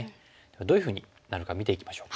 どういうふうになるか見ていきましょう。